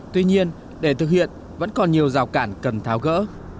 tuy nhiên để thực hiện vẫn còn nhiều rào cản cần tháo gỡ